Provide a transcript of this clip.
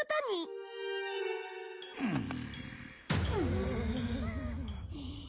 うん。